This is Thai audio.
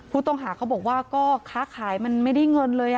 ผู้ต้องหาเขาบอกว่าก็ค้าขายมันไม่ได้เงินเลย